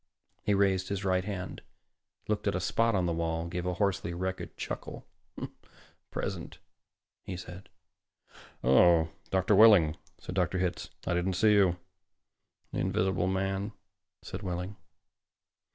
He raised his right hand, looked at a spot on the wall, gave a hoarsely wretched chuckle. "Present," he said. "Oh, Mr. Wehling," said Dr. Hitz, "I didn't see you." "The invisible man," said Wehling.